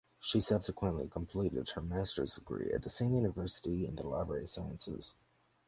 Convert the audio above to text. She subsequently completed her Master’s degree at the same university in the library sciences.